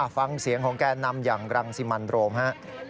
ฟังเสียงของแก่นำอย่างรังสิมันโรมฮะ